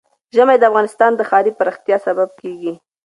ژمی د افغانستان د ښاري پراختیا سبب کېږي.